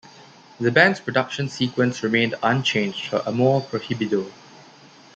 The band's production sequence remain unchanged for "Amor Prohibido".